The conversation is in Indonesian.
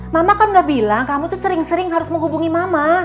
mama kan udah bilang kamu tuh sering sering harus menghubungi mama